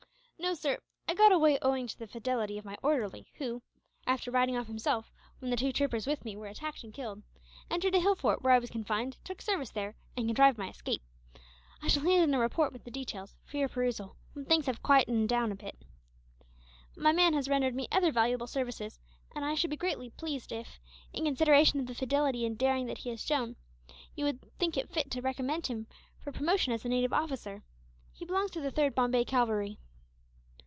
"No, sir; I got away owing to the fidelity of my orderly who, after riding off himself, when the two troopers with me were attacked and killed, entered a hill fort where I was confined, took service there, and contrived my escape. I shall hand in a report with the details, for your perusal, when things have quietened down a bit. My man has rendered me other valuable services, and I should be greatly pleased if, in consideration of the fidelity and daring that he has shown, you would think fit to recommend him for promotion as a native officer. He belongs to the 3rd Bombay Cavalry."